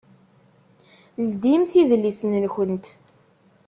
Ldimt idlisen-nkent!